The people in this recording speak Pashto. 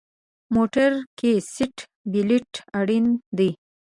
موټر کې سیټ بیلټ اړین دی.